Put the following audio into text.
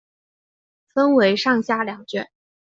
分为上下两卷。